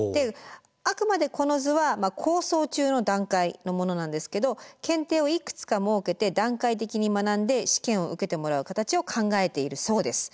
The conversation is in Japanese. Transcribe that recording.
あくまでこの図は構想中の段階のものなんですけど検定をいくつか設けて段階的に学んで試験を受けてもらう形を考えているそうです。